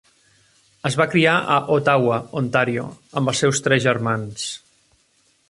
Es va criar a Ottawa, Ontario, amb els seus tres germans.